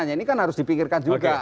ini kan harus dipikirkan juga